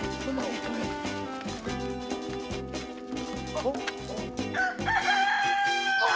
・あっ！